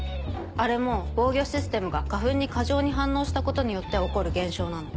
あれも防御システムが花粉に過剰に反応したことによって起こる現象なの。